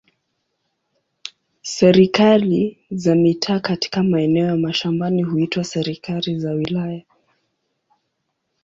Serikali za mitaa katika maeneo ya mashambani huitwa serikali za wilaya.